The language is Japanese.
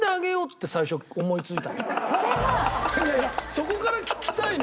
そこから聞きたいのよ。